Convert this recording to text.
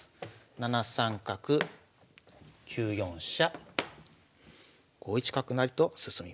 ７三角９四飛車５一角成と進みました。